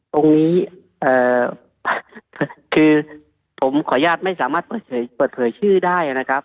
ตรงนี้คือผมขออนุญาตไม่สามารถเปิดเผยชื่อได้นะครับ